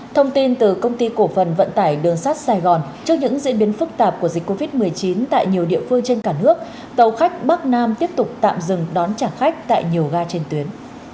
thông tin từ công ty cổ phần vận tải đường sắt sài gòn trước những diễn biến phức tạp của dịch covid một mươi chín tại nhiều địa phương trên cả nước tàu khách bắc nam tiếp tục tạm dừng đón trả khách tại nhiều ga trên tuyến